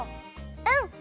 うん！